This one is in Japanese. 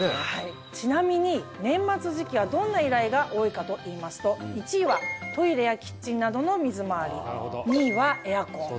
ちなみに年末時期はどんな依頼が多いかといいますと１位はトイレやキッチンなどの水回り。